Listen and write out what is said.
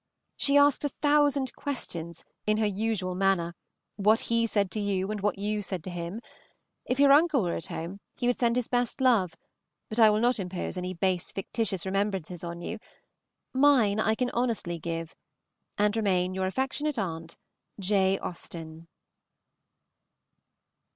She asked a thousand questions in her usual manner, what he said to you and what you said to him. If your uncle were at home he would send his best love, but I will not impose any base fictitious remembrances on you; mine I can honestly give, and remain Your affectionate aunt, J. AUSTEN.